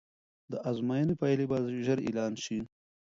د ازموینې پایلې به ژر اعلان سي.